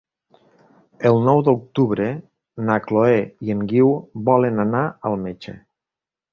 El nou d'octubre na Chloé i en Guiu volen anar al metge.